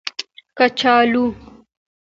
🥔 کچالو